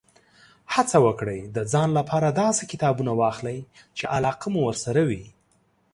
هڅه وکړئ، د ځان لپاره داسې کتابونه واخلئ، چې علاقه مو ورسره وي.